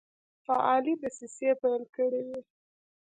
فعالي دسیسې پیل کړي وې.